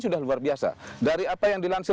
sudah luar biasa dari apa yang dilansir